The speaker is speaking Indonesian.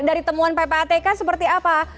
dari temuan ppatk seperti apa